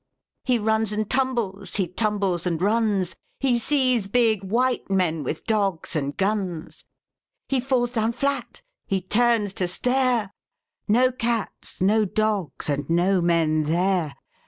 He runs and tumbles, he tumbles and runs. He sees big white men with dogs and guns. He falls down flat. H)e turns to stare — No cats, no dogs, and no men there.